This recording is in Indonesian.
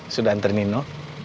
sudah ntar nino